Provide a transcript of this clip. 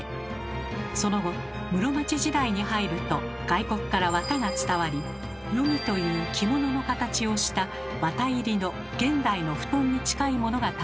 その後室町時代に入ると外国からわたが伝わり「夜着」という着物の形をしたわた入りの現代の布団に近いものが誕生しました。